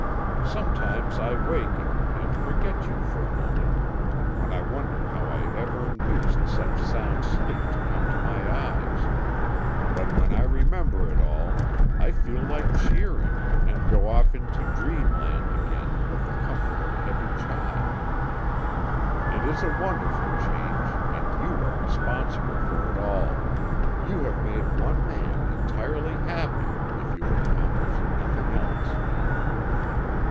Sometimes I waken, and forget you for a moment, when I wonder how I ever induced such sound sleep to come to my eyes; but when I remember it all, I feel like cheering, and go off into dreamland again with the comfort of a healthy child. It is a wonderful change, and you are responsible for it all; you have made one man entirely happy, if you have accomplished nothing else."